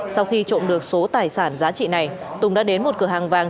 sau khi trộm được số tài sản giá trị này tùng đã đến một cửa hàng vàng